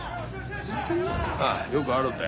ああよくあるんだよ。